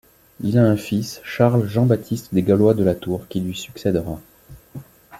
Il a un fils Charles Jean-Baptiste des Gallois de La Tour qui lui succèdera.